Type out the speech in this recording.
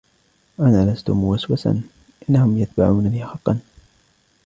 أنا لستُ مُوَسْوَساً ، أنهم يتبعونني حقّاً!